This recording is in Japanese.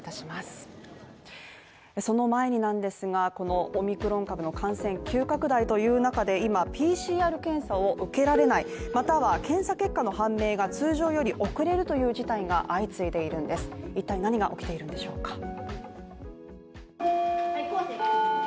その前になんですがこのオミクロン株の感染急拡大という中で今、ＰＣＲ検査を受けられない又は検査結果の判明が通常より遅れるという事態が相次いでいるんです一体何が起きているんでしょうか？